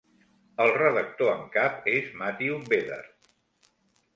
El redactor en cap és Matthew Bedard.